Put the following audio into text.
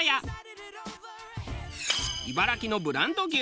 茨城のブランド牛